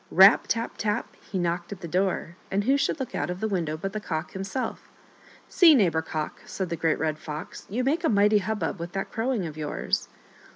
Rap ! tap ! tap ! he knocked at the door, and who should look out of the window but the Cock himself. " See, Neighbor Cock," said the Great Red Fox, " you make a mighty hubbub with that crowing of yours."